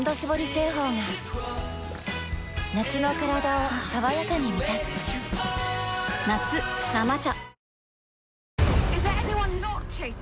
製法が夏のカラダを爽やかに満たす夏「生茶」